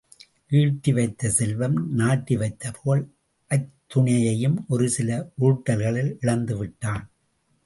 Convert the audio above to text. ஈட்டி வைத்த செல்வம், நாட்டி வைத்த புகழ் அத்துணையையும் ஒரு சில உருட்டல்களில் இழந்து விட்டான்.